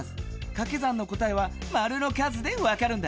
かけ算の答えはマルの数でわかるんだ。